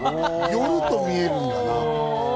寄ると見えるんだな。